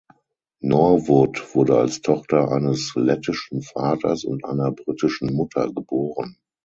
Norwood wurde als Tochter eines lettischen Vaters und einer britischen Mutter geboren.